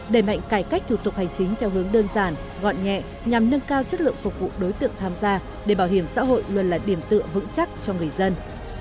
đẩy mạnh cải cách thủ tục hành chính theo hướng đơn giản gọn nhẹ nhằm nâng cao chất lượng phục vụ đối tượng tham gia để bảo hiểm xã hội luôn là điểm tựa vững chắc cho người dân